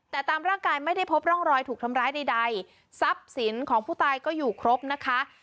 แต่ตามร่างกายไม่ได้พบร่องรอยถูกทำร้ายใดทรัพย์สินของผู้ตายก็อยู่ครบนะคะ